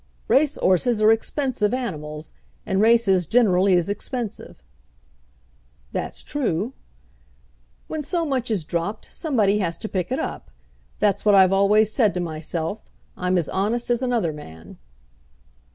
"Race 'orses are expensive animals, and races generally is expensive." "That's true." "When so much is dropped, somebody has to pick it up. That's what I've always said to myself. I'm as honest as another man."